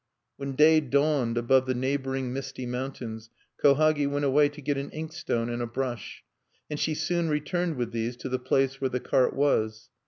When day dawned above the neighboring misty mountains, Kohagi went away to get an inkstone and a brush; and she soon returned with these to the place where the cart was.